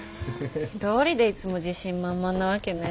どうりでいつも自信満々なわけね。